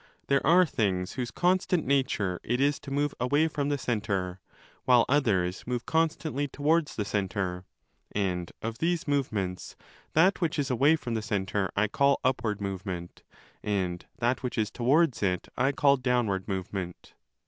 There are things whose constant nature it is to move away 15 from the centre, while others move constantly towards the centre ; and of these movements that which is away from the centre I call upward movement and that which is towards it I call downward movement.